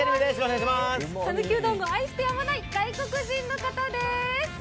讃岐うどんを愛してやまない外国人の方です。